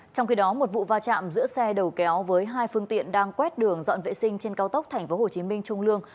trong khi đó một vụ va chạm giữa xe đầu kéo với hai phương tiện đang quét đường dọn vệ sinh trên cao tốc tp hcm trung lương